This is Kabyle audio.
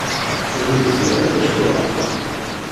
Ur negzi ara d acu-aɣ.